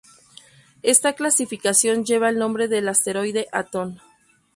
Esta clasificación lleva el nombre del asteroide Atón.